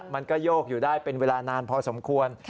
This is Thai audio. มันก็โยกอยู่ได้เป็นเวลานานพอสมควร